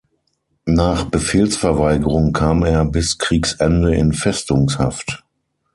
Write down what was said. Nach Befehlsverweigerung kam er bis Kriegsende in Festungshaft.